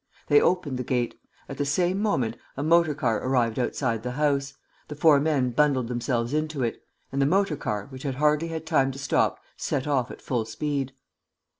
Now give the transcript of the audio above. They opened the gate. At the same moment, a motor car arrived outside the house. The four men bundled themselves into it; and the motor car, which had hardly had time to stop, set off at full speed.